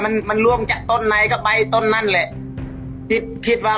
มันมันล่วงจากต้นในก็ไปต้นนั่นแหละคิดคิดว่า